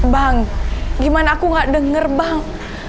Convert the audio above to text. bang gimana aku gak denger bang